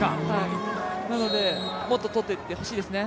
なので、もっと取っていってほしいですね。